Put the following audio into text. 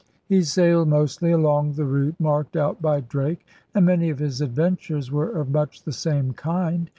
He sailed mostly along the route marked out by Drake, and many of his adventures were of much the same kind.